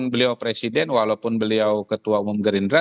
beliau presiden walaupun beliau ketua umum gerindra